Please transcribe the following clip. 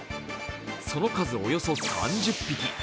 その数、およそ３０匹。